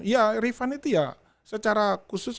ya rifan itu ya secara khusus